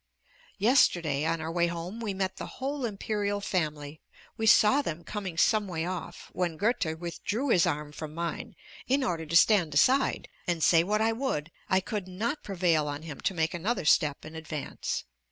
Yesterday on our way home we met the whole Imperial family; we saw them coming some way off, when Goethe withdrew his arm from mine, in order to stand aside; and say what I would, I could not prevail on him to make another step in advance.